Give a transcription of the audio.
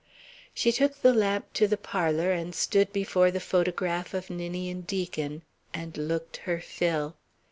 She took the lamp to the parlour and stood before the photograph of Ninian Deacon, and looked her fill.